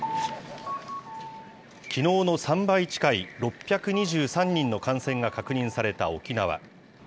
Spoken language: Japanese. きのうの３倍近い、６２３人の感染が確認された沖縄。